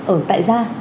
ở tại gia